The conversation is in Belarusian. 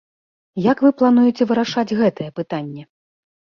Як вы плануеце вырашаць гэтае пытанне?